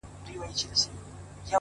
بریا له کوچنیو بریاوو پیلېږي،